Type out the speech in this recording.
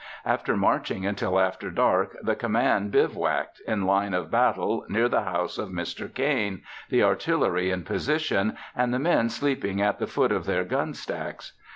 After marching until after dark, the command bivouacked, in line of battle, near the house of Mr. Cain, the artillery in position, and the men sleeping at the foot of their gun stacks.